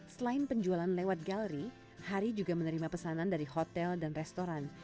selain penjualan lewat galeri hari juga menerima pesanan dari hotel dan restoran